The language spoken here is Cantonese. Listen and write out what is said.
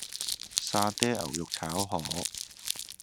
沙嗲牛肉炒河